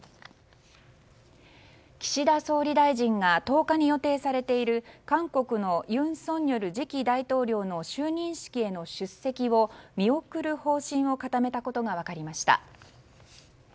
岸田総理大臣が１０日に予定されている韓国の尹錫悦次期大統領の就任式への出席を見送る方針を固めたことが分かりました。